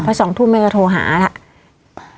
พอ๒ทุ่มเมื่อก็โทรหาแล้ว